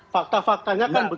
fakta faktanya kan begitu